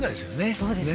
そうですね